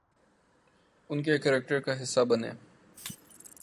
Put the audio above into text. ان کے کریکٹر کا حصہ بنیں۔